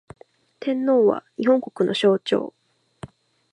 天皇は、日本国の象徴